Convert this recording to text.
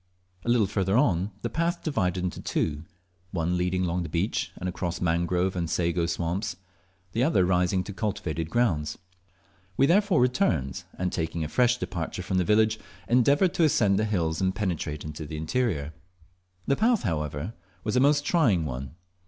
A little further the path divided into two, one leading along the beach, and across mangrove and sago swamps the other rising to cultivated grounds. We therefore returned, and taking a fresh departure from the village, endeavoured to ascend the hills and penetrate into the interior. The path, however, was a most trying one.